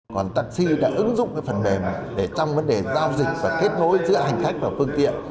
còn taxi đã ứng dụng phần mềm để trong vấn đề giao dịch và kết nối giữa hành khách và phương tiện